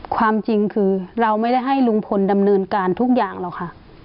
ความจริงคือเราไม่ได้ให้ลุงพลดำเนินการทุกอย่างหรอกค่ะ